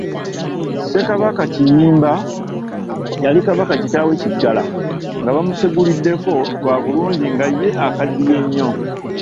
Ssekabaka Kiyimba yali kabaka kitaawe Kiggala ng'abumuseguliddeko lwa bulungi nga ye akaddiye nnyo.